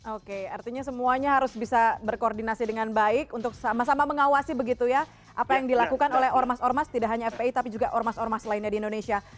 oke artinya semuanya harus bisa berkoordinasi dengan baik untuk sama sama mengawasi begitu ya apa yang dilakukan oleh ormas ormas tidak hanya fpi tapi juga ormas ormas lainnya di indonesia